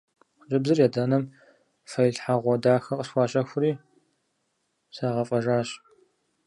Хъыджэбзым и адэ-анэм фэилъхьэгъуэ дахэ къысхуащэхури сагъэфӀэжащ.